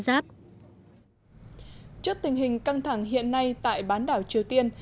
trước tình hình căng thẳng hiện nay tại bán đảo triều tiên